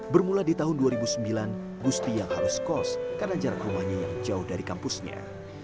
bermula di tahun dua ribu sembilan gusti yang harus kos karena jarak rumahnya yang jauh dari kampusnya